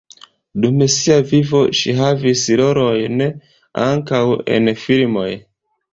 Dum sia vivo ŝi havis rolojn ankaŭ en filmoj.